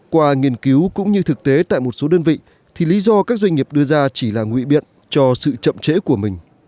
qua nghiên cứu cũng như thực tế tại một số đơn vị thì lý do các doanh nghiệp đưa ra chỉ là ngụy biện cho sự chậm trễ của mình